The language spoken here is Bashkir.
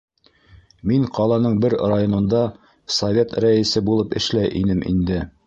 Мин ҡаланың бер районында совет рәйесе булып эшләй инем инде.